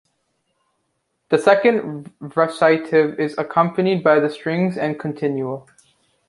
The second recitative is accompanied by the strings and continuo.